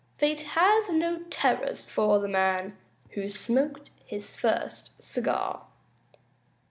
Fate has no terrors for the man Who's smoked his first cigar!